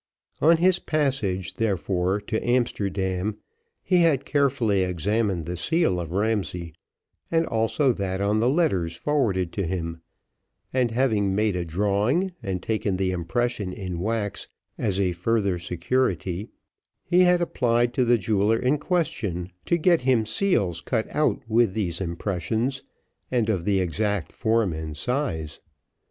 On his passage, therefore, to Amsterdam, he had carefully examined the seal of Ramsay, and also that on the letters forwarded to him; and, having made a drawing, and taken the impression in wax, as a further security, he had applied to the jeweller in question to get him seals cut out with these impressions, and of the exact form and size.